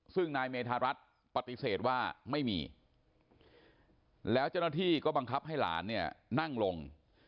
ซึ่งนายเมธารัฐปฏิเสธว่าไม่มีแล้วเจ้าหน้าที่ก็บังคับให้หลานเนี่ยนั่งลง